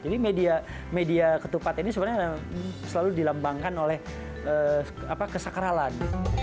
jadi media ketupat ini sebenarnya selalu dilambangkan oleh kesakralan